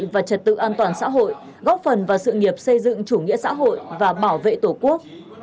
và trật tự an toàn xã hội góp phần vào sự nghiệp xây dựng chủ nghĩa xã hội và bảo vệ tổ quốc